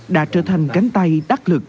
đã trở thành cánh tay đắc lực